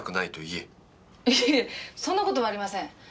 いえそんな事はありません。